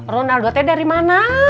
ronaldo teh dari mana